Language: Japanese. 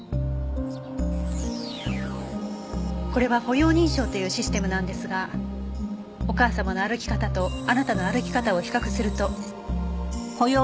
これは歩容認証というシステムなんですがお母様の歩き方とあなたの歩き方を比較すると。